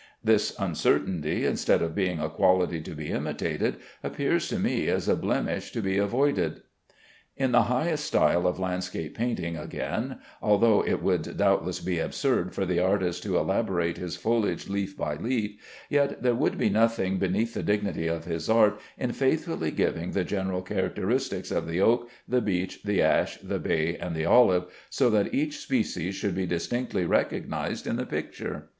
This uncertainty, instead of being a quality to be imitated, appears to me as a blemish to be avoided. In the highest style of landscape painting, again, although it would doubtless be absurd for the artist to elaborate his foliage leaf by leaf, yet there would be nothing beneath the dignity of his art in faithfully giving the general characteristics of the oak, the beech, the ash, the bay, and the olive, so that each species should be distinctly recognized in the picture.